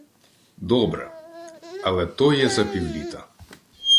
— Добре. Але то є за півліта.